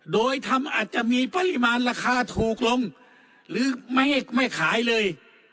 โดยทำอาจจะมีปริมาณราคาถูกลงหรือไม่ให้ไม่ขายเลย